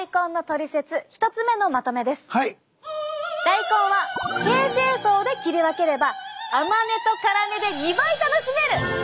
大根は形成層で切り分ければ甘根と辛根で２倍楽しめる！